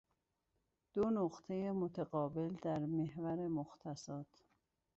دو نقطه متقابل در محور مختصات